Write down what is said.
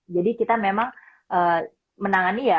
jadi kita memang menangani ya